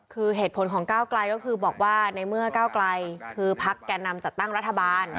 คือเหตุผลของก้าวไกลก็คือบอกว่าในเมื่อก้าวไกลคือพักแก่นำจัดตั้งรัฐบาล